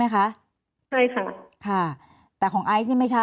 แอนตาซินเยลโรคกระเพาะอาหารท้องอืดจุกเสียดแสบร้อน